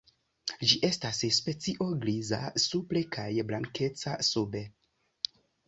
Ĝi estas specio griza supre kaj blankeca sube.